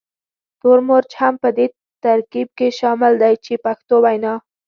تور مرچ هم په دې ترکیب کې شامل دی په پښتو وینا.